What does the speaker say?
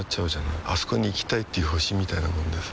あそこに行きたいっていう星みたいなもんでさ